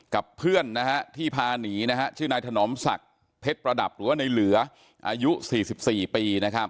กับเพื่อนที่พาหนีชื่อนายถนอมศักดิ์เพชรประดับหรือว่าในเหลืออายุ๔๔ปี